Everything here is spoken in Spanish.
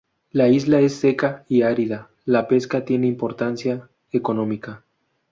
La isla es seca y árida, la pesca tiene importancia económica.